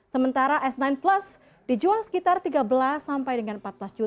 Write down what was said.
sementara s sembilan plus dijual sekitar tiga belas sampai dengan empat belas